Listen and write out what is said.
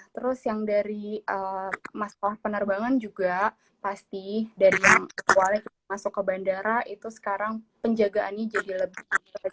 terus yang dari masalah penerbangan juga pasti dari yang awalnya masuk ke bandara itu sekarang penjagaannya jadi lebih baik